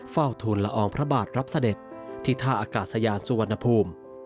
เฝ้าทูลละอองพระบาทรับเสด็จที่ท่าอากาศยานสุวรรณภูมิ